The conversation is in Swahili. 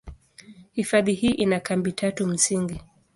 Hifadhi hii ina kambi tatu msingi.